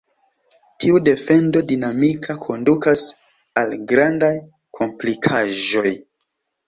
Tiu defendo dinamika kondukas al grandaj komplikaĵoj.